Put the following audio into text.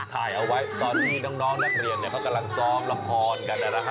ตัวนี้น้องนักเรียนกรรมสั้นพรงกันได้มั้ยคะ